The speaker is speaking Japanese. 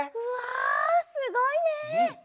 うわすごいね！